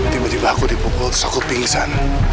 tiba tiba aku dipukul terus aku pingsan